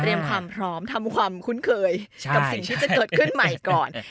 ความพร้อมทำความคุ้นเคยกับสิ่งที่จะเกิดขึ้นใหม่ก่อน